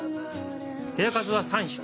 部屋数は３室。